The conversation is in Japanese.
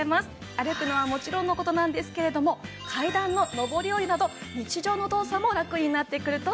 歩くのはもちろんの事なんですけれども階段の上り下りなど日常の動作もラクになってくると思います。